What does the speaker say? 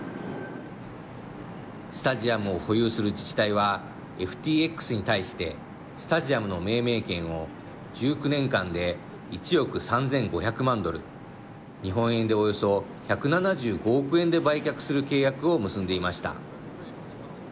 スタジアムを保有する自治体はＦＴＸに対してスタジアムの命名権を１９年間で１億３５００万ドル日本円でおよそ１７５億円で売却する契約を結んでいました。